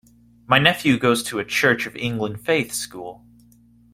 My nephew goes to a Church of England faith school